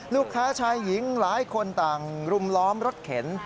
ลูกค้าชายหญิงหลายคนต่างรุมล้อมรถเข็น